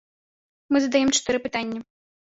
Мы задаём чатыры пытанні.